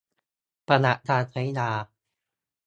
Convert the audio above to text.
ประวัติการใช้ยา